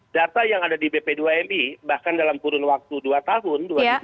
data yang ada di bp dua mi bahkan dalam kurun waktu dua tahun